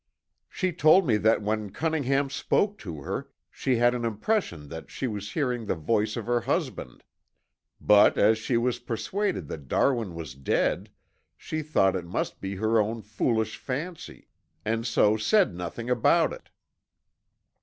She told me then that when Cunningham spoke to her she had an impression that she was hearing the voice of her husband, but as she was persuaded that Darwin was dead she thought it must be her own foolish fancy, and so said nothing about it."